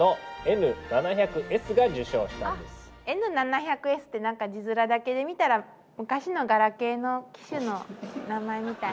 Ｎ７００Ｓってなんか字面だけで見たら昔のガラケーの機種の名前みたいね。